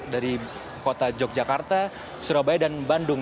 dari kota yogyakarta surabaya dan bandung